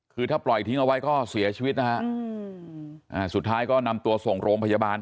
คือถ้าปล่อยทิ้งเอาไว้ก็เสียชีวิตนะฮะสุดท้ายก็นำตัวส่งโรงพยาบาล